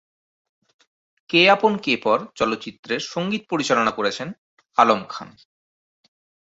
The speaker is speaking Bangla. কে আপন কে পর চলচ্চিত্রের সঙ্গীত পরিচালনা করেছেন আলম খান।